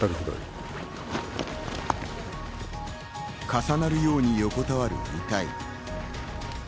重なるように横たわる遺体。